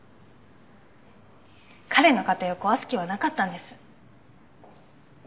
彼の家庭を壊す気はなかったんです。